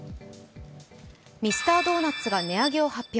ミスタードーナツが値上げを発表。